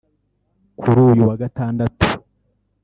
Kuri uyu wa Gatandatu